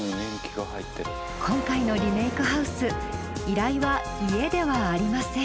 今回のリメイクハウス依頼は家ではありません。